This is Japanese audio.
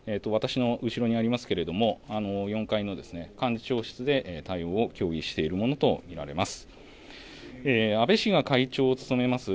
私の後ろにありますけれども４階の幹事長室で対応を協議しているものと見られます。